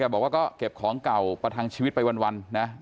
บอกว่าก็เก็บของเก่าประทังชีวิตไปวันนะ